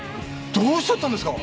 どうしちゃったんですか？